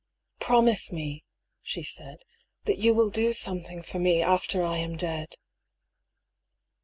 " Promise me," she said, " that you will do some thing for me after I am dead."